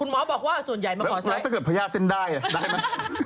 แล้วถ้าเกิดพญาเส้นได้ได้มั้ย